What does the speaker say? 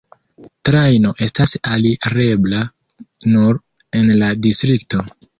Trajno estas alirebla nur en la distrikto.